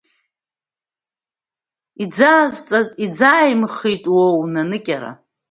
Иӡаазҵаз, иӡааимхит, уо, наныкьара!